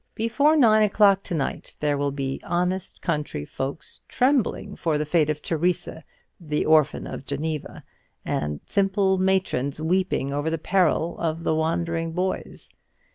Before nine o'clock to night there will be honest country folks trembling for the fate of Theresa, the Orphan of Geneva, and simple matrons weeping over the peril of the Wandering Boys.